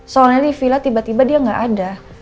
soalnya di villa tiba tiba dia gak ada